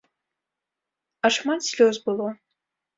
А шмат слёз было!